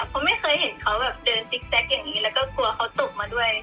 เพราะไม่เคยเห็นเขาแบบเดินติ๊กแก๊กอย่างนี้แล้วก็กลัวเขาตกมาด้วย